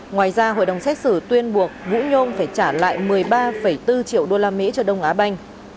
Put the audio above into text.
ngoài ra hội đồng xét xử tuyên buộc vũ nhôm phải trả lại một mươi ba bốn triệu usd cho đông á banh